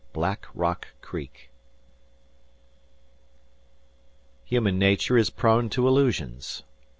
BLACK ROCK CREEK Human nature is prone to illusions.